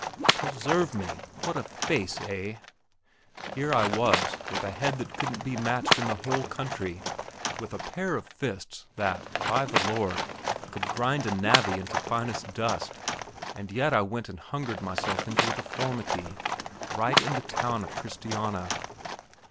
"Preserve me, what a face. Eh?" Here I was, with a head that couldn't be matched in the whole country, with a pair of fists that, by the Lord, could grind a navvy into finest dust, and yet I went and hungered myself into a deformity, right in the town of Christiania.